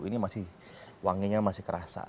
ini masih wanginya masih kerasa